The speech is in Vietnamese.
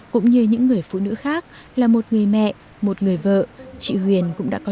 cũng như những người phụ nữ khác là một người mẹ một người vợ